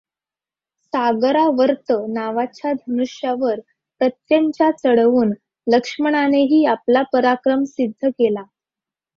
सागरावर्त नावाच्या धनुष्यावर प्रत्यंचा चढवून लक्ष्मणानेही आपला पराक्रम सिद्ध केला.